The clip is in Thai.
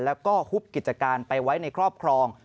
แล้วก็ฮุบกิจการไปไว้ในครอบครอง